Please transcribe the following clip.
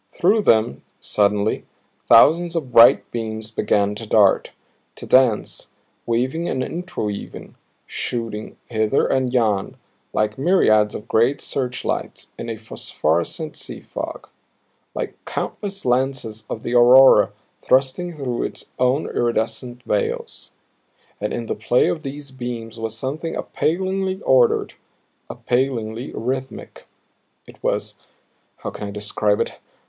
Through them, suddenly, thousands of bright beams began to dart, to dance, weaving and interweaving, shooting hither and yon like myriads of great searchlights in a phosphorescent sea fog, like countless lances of the aurora thrusting through its own iridescent veils! And in the play of these beams was something appallingly ordered, appallingly rhythmic. It was how can I describe it?